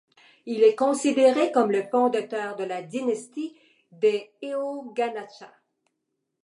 Il est considéré comme le fondateur de la dynastie des Eóganachta.